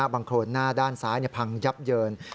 โครนหน้าด้านซ้ายพังยับเยิน